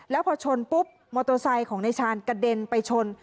แล้วพอชนปุ๊บมอเตอร์ไซค์ของนายชาญกระเด็นไปชน